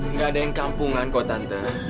nggak ada yang kampungan kok tante